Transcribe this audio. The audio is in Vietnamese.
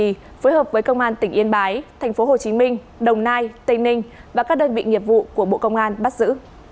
phối hợp với công an tỉnh yên bái thành phố hồ chí minh đồng nai tây ninh và các đơn vị nghiệp vụ của bộ công an bắt giữ